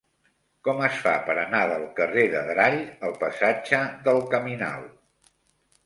Com es fa per anar del carrer d'Adrall al passatge del Caminal?